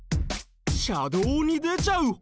車道に出ちゃう歩道橋！？